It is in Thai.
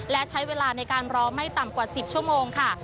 และใช้เวลาในการรอไม่ต่ำกว่า๑๐ชั่วโมงค่ะ